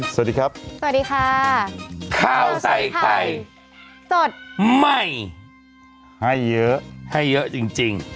สวัสดีครับสวัสดีค่ะข้าวใส่ไข่สดใหม่ให้เยอะให้เยอะจริง